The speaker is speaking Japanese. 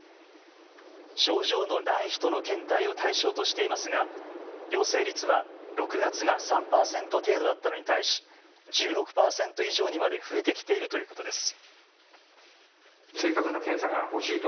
症状のない人の検体を対象としていますが陽性率は６月が３％程度だったのに対し１６％以上にまで増えてきているということです。